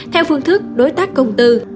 theo phương thức đối tác công tư